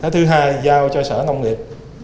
thứ hai giao cho sở nông nghiệp